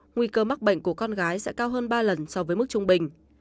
nguy cơ mắc bệnh của con gái sẽ cao hơn ba lần so với mức trung bình